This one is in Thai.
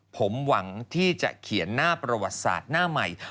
ผมหวังที่จะเขียนหน้าประวัติศาสตร์หน้าใหม่